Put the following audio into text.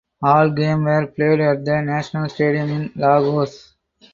All game were played at the National Stadium in Lagos.